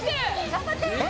・頑張って！